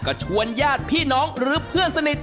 ก็ชวนญาติพี่น้องหรือเพื่อนสนิท